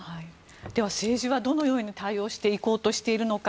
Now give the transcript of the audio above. では政治はどのように対応していこうとしているのか。